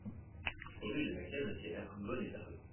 Rue de la Cannetiere, Bonnétable